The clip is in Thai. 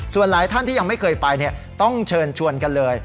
ส่วนหลายท่านที่ยังไม่เคยไปต้องเชิญชวนกันเลย